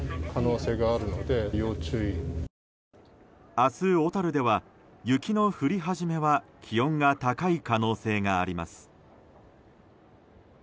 明日、小樽では雪の降り始めは気温が高い可能性があります。